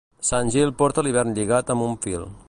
Sant Gil porta l'hivern lligat amb un fil.